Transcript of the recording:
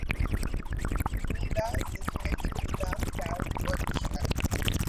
Dundas is home to the Dundas Valley Orchestra.